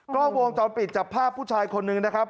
กล้องวงจรปิดจับภาพผู้ชายคนหนึ่งนะครับ